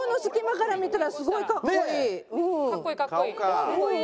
かっこいいかっこいい。